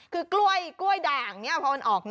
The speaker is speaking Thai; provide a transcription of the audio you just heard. คือกล้วยด่างนี้พอมันออกมา